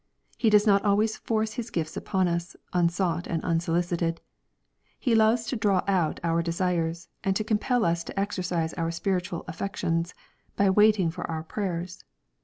He does not always force His gifts upon us, unsought and unsolicited. He loves to draw out our desires, and to compel us to exercise our spiritual affections, by waiting for our prayers.